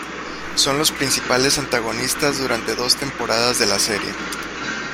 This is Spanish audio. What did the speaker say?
Son los principales antagonistas durante dos temporadas de la serie.